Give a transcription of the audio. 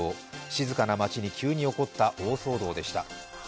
静かな町に急に起こった大騒動でした。